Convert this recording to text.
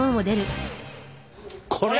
これ？